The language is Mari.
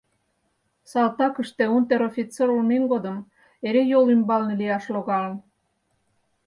— Салтакыште унтер-офицер улмем годым эре йол ӱмбалне лияш логалын.